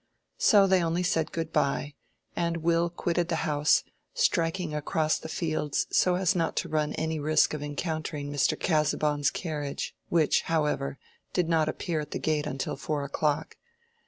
So they only said "Good by," and Will quitted the house, striking across the fields so as not to run any risk of encountering Mr. Casaubon's carriage, which, however, did not appear at the gate until four o'clock.